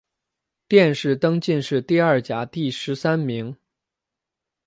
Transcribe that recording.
殿试登进士第二甲第十三名。